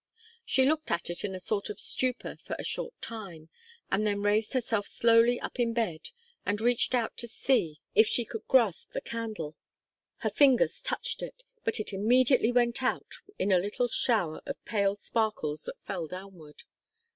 She looked at it in a sort of stupor for a short time, and then raised herself slowly up in bed and reached out to see if she could grasp the candle. Her fingers touched it, but it immediately went out in a little shower of pale sparkles that fell downward.